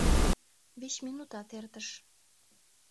Вич минутат эртыш.